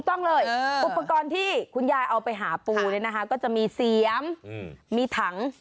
ต้องเลยอุปกรณ์ที่คุณยายเอาไปหาปูเนี่ยนะคะก็จะมีเสียมมีถัง